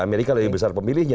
amerika lebih besar pemilihnya